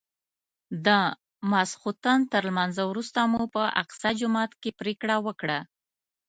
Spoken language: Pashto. د ماسختن تر لمانځه وروسته مو په اقصی جومات کې پرېکړه وکړه.